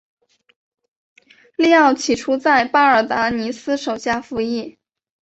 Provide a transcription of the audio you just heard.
利奥起初在巴尔达尼斯手下服役。